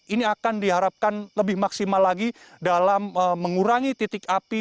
ini akan diharapkan lebih maksimal lagi dalam mengurangi titik api